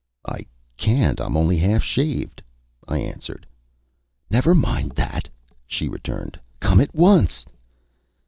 "I can't. I'm only half shaved," I answered. "Never mind that," she returned. "Come at once."